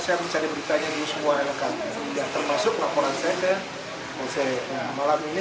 kita menemukan keluarga keluarganya dan keluarganya bisa menerima ada semua pernyataannya